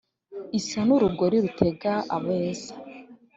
isa n'urugori rutega abeza